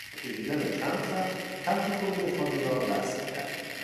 با کشیدن چند خط طرح کلی خانه را رسم کرد.